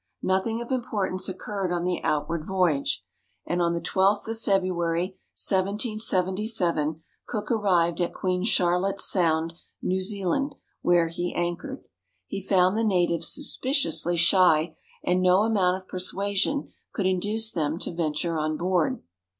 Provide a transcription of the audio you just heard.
Nothing of importance occurred on the outward voyage, and on the 12th of February, 1777, Cook arrived at Queen Char lotte's Sound, New Zealand, where he anchored. He found the natives suspiciously shy, and no amount of persuasion could induce them to venture on board.